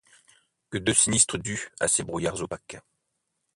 Que de sinistres dus à ces brouillards opaques !